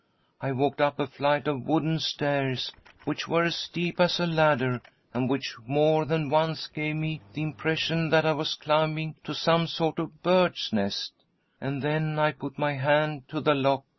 I walked up a flight of wooden stairs, which were as steep as a ladder, and which more than once gave me the impression that I was climbing to some sort of. bird's nest — and then I put my hand to the lock.